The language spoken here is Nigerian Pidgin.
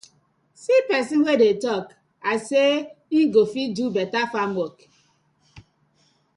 See pesin wey dey tok as say im go fit do betta farm wok.